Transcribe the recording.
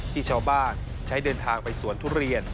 ที่ชาวบ้านใช้เดินทางไปสวนทุเรียน